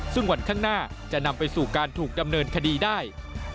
ซึ่งวันข้างหน้าจะนำไปสู่การถูกดำเนินคดีได้